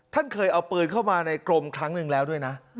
ท่านเคยเอาปืนเข้ามาในกรมครั้งหนึ่งแล้วด้วยนะ